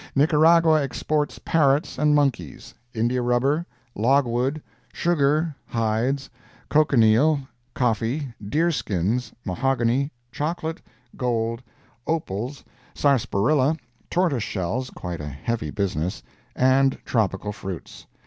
Nicaragua exports parrots and monkeys, India rubber, logwood, sugar, hides, cochineal, coffee, deerskins, mahogany, chocolate, gold, opals, sarsaparilla, tortoise shells (quite a heavy business), and tropical fruits.